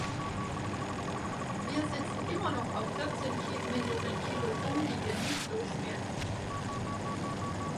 Wir sitzen immer noch auf vierzehn Millionen Kilo Dung, die wir nicht loswerden.